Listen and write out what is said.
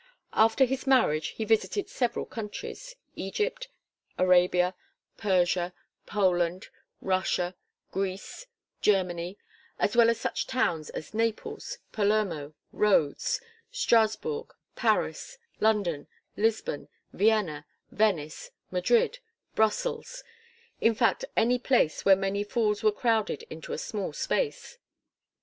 After his marriage he visited several countries, Egypt, Arabia, Persia, Poland, Russia, Greece, Germany; as well as such towns as Naples, Palermo, Rhodes, Strasbourg, Paris, London, Lisbon, Vienna, Venice, Madrid, Brussels in fact any place where many fools were crowded into a small space.